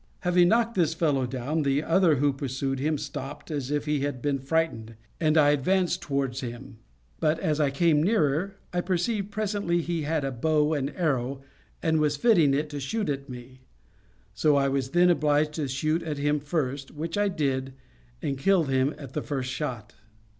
Having knocked this fellow down, the other who pursued him stopped, as if he had been frightened, and I advanced towards him; but as I came nearer, I perceived presently he had a bow and arrow, and was fitting it to shoot at me: so I was then obliged to shoot at him first, which I did, and killed him at the first shot.